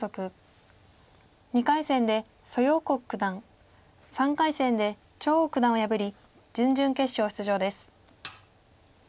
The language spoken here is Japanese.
２回戦で蘇耀国九段３回戦で張栩九段を破り準々決勝出場です。